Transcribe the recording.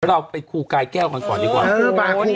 เราไปครูกายแก้วก่อนขอดีกว่านี่